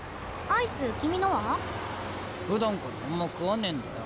アイス君のは？ふだんからあんま食わねえんだよ